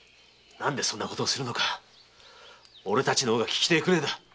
何でそんなことをするのか俺たちの方が聞きてえくらいだ。